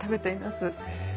へえ。